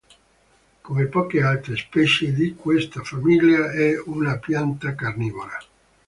Come poche altre specie di questa famiglia, è una pianta carnivora.